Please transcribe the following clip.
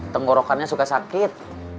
tenggorokannya suka sakit